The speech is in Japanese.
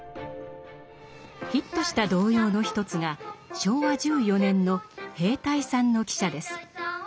ヒットした童謡の一つが昭和１４年の「兵隊さんの汽車」です。